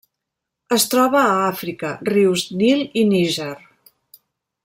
Es troba a Àfrica: rius Nil i Níger.